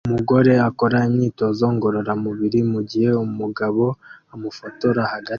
Umugore akora imyitozo ngororamubiri mugihe umugabo amufotora hagati